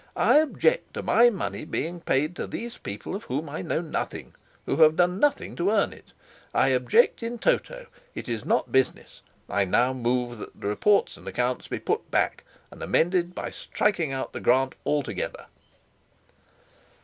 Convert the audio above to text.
I object to my money being paid to these people of whom I know nothing, who have done nothing to earn it. I object in toto; it is not business. I now move that the report and accounts be put back, and amended by striking out the grant altogether."